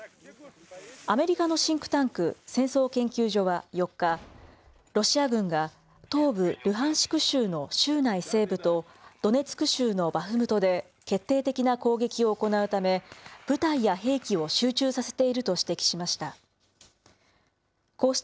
アメリカのシンクタンク、戦争研究所は４日、ロシア軍が東部ルハンシク州の州内西部とドネツク州のバフムトで決定的な攻撃を行うため、部隊や兵器を集中させていると指摘しました。